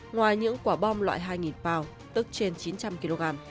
ngoài những quả bom loại hai pow tức trên chín trăm linh kg